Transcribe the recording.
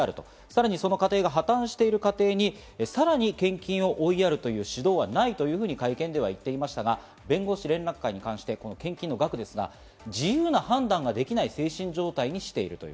さらにその家庭が破綻しているご家庭に、さらに献金を追いやるという指導はないと会見で言っていましたが、弁護士連絡会に関して献金の額ですが、自由な判断ができない精神状態にしていると。